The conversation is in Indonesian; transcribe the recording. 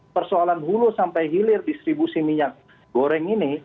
persoalan hulu sampai hilir distribusi minyak goreng ini